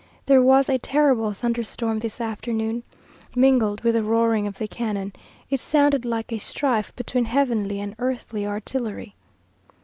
There was a terrible thunderstorm this afternoon. Mingled with the roaring of the cannon, it sounded like a strife between heavenly and earthly artillery.